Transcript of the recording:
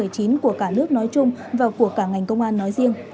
của cả nước nói chung và của cả ngành công an nói riêng